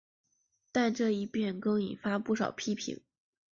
但这一变更引发不少批评。